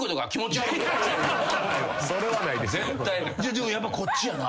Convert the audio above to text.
でもやっぱこっちやな。